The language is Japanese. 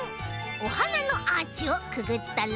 おはなのアーチをくぐったら。